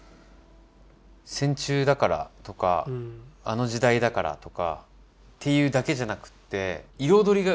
戦中だからとかあの時代だからとかっていうだけじゃなくって。